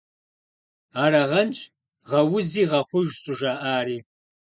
Арагъэнщ «Гъэузи – гъэхъуж!» щӏыжаӏари.